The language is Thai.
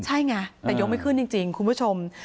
ใช่ไงแต่ยกไม่ขึ้นจริงคุณผู้ชม